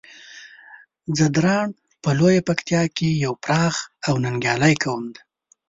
ځدراڼ په لويه پکتيا کې يو پراخ او ننګيالی قوم دی.